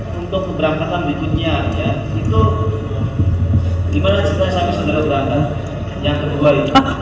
untuk keberangkatan berikutnya gimana setelah saya sudah berangkat